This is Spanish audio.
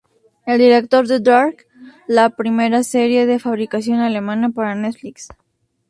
Es director de Dark, la primera serie de fabricación alemana para Netflix.